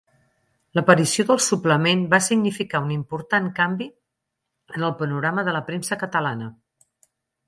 L'aparició del suplement va significar un important canvi en el panorama de la premsa catalana.